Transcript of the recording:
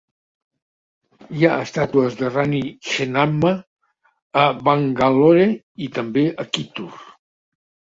Hi ha estàtues de Rani Chennamma a Bangalore i també a Kittur.